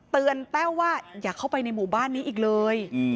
แต้วว่าอย่าเข้าไปในหมู่บ้านนี้อีกเลย